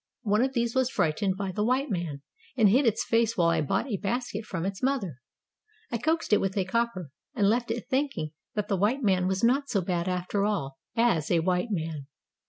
One of these was frightened by the white man, and hid its face while I bought a basket from its mother. I coaxed it with a copper, and left it thinking that the white man was not so bad after all — as a, white man.